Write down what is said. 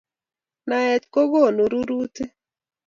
Naet kokonu rurutik